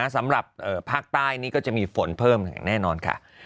สำหรับภาคใต้นี่ก็จะมีฝนเพิ่มอย่างแน่นอนค่ะ